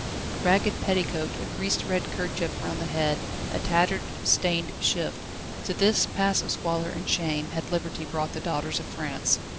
A ragged petticoat, a greasy red kerchief round the head, a tattered, stained shift to this pass of squalor and shame had Liberty brought the daughters of France.